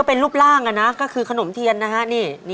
เป็นรูปร่างนะก็คือขนมเทียนนะฮะ